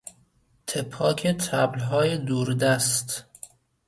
تپاک طبلهای دوردست